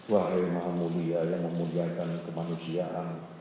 wahai maha mulia yang memuliakan kemanusiaan